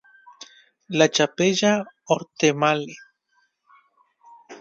La Chapelle-Orthemale